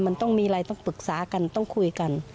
มันต้องมีอะไรต้องปรึกษากันต้องคุยกัน